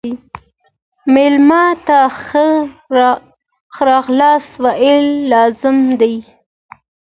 مېلمه ته ښه راغلاست ویل لازم دي.